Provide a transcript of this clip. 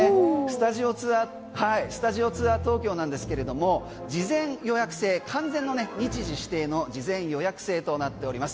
スタジオツアー東京なんですけれども事前予約制完全の日時指定の事前予約制となっております。